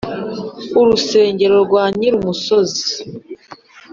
rusengo rwa nyirumusozi